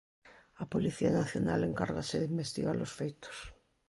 A Policía Nacional encárgase de investigar os feitos.